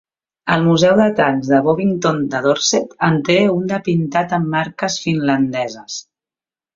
El Museu de Tancs de Bovington de Dorset en té un de pintat amb marques finlandeses.